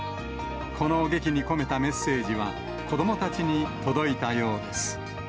この劇に込めたメッセージは、子どもたちに届いたようです。